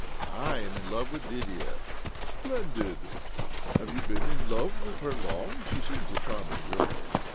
I am in love with Lydia." " Splendid ! Have you been in love with her long? She seems a charming girl."